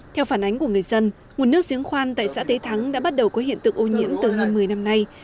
theo phản ánh của người dân nguồn nước giếng khoan tại xã tây thắng đã bắt đầu có hiện tượng ủ nhiễm từ hai mươi năm nay